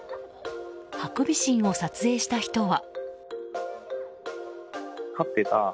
ハクビシンを撮影した人は。